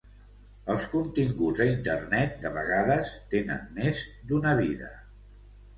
Els continguts a internet, de vegades, tenen més d’una vida.